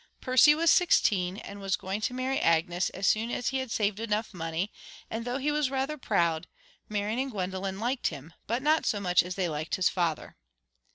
Percy was sixteen, and was going to marry Agnes as soon as he had saved enough money, and though he was rather proud, Marian and Gwendolen liked him, but not so much as they liked his father.